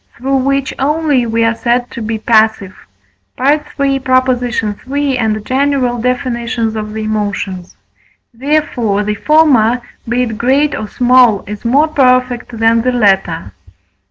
through which only we are said to be passive (III. iii. and general Def. of the Emotions); therefore, the former, be it great or small, is more perfect than the latter.